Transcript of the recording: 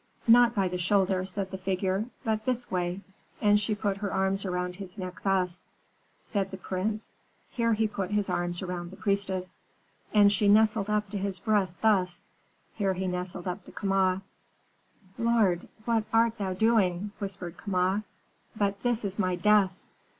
"'Not by the shoulder,' said the figure, 'but this way;' and she put her arms around his neck thus," said the prince (here he put his arms around the priestess), "and she nestled up to his breast thus" (here he nestled up to Kama). "Lord, what art thou doing?" whispered Kama. "But this is my death."